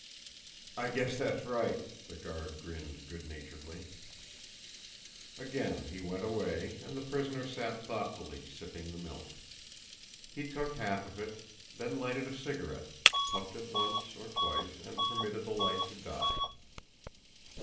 "I guess that's right," the guard grinned good naturedly. Again he went away and the prisoner sat thoughtfully sipping the milk. He took half of it, then lighted a cigarette, puffed it once or twice and permitted the light to die.